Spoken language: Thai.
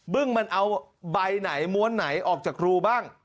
ึ้งมันเอาใบไหนม้วนไหนออกจากรูบ้าง